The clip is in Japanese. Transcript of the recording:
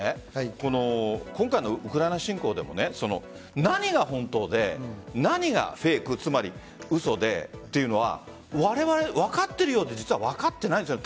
この今回のウクライナ侵攻でも何が本当で何がフェイクつまり、嘘でというのはわれわれ、分かっているようで分かっていないですよ